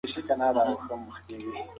څېړنې دا اړیکه ارزوي.